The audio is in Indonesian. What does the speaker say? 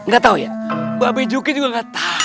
gatau ya babe juki juga gatau